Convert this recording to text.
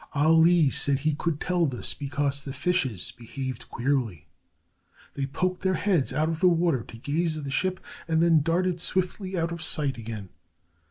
Ali said he could tell this because the fishes behaved queerly. They poked their heads out of the water to gaze at the ship and then darted swiftly out of sight again.